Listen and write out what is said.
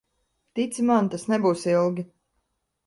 Tici man, tas nebūs ilgi.